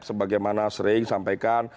sebagaimana sering disampaikan